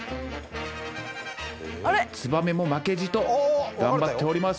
ツバメも負けじと頑張っております。